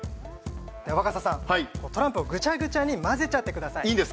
若狭さん、トランプをぐちゃぐちゃに混ぜちゃってください。